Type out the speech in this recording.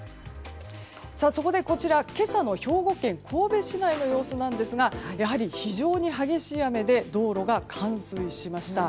こちらは今朝の兵庫県神戸市内の様子ですがやはり非常に激しい雨で道路が冠水しました。